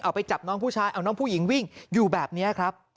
ไปจับน้องผู้ชายเอาน้องผู้หญิงวิ่งอยู่แบบนี้ครับ